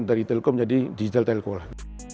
dari telkom jadi digital telkom